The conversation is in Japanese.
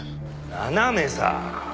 斜めさ！